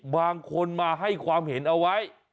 บางคนมาให้ความเห็นเอาไว้